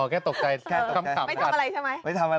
อ๋อแค่ตกใจคำถามกันนะครับไม่ทำอะไรใช่ไหมไม่ทำอะไร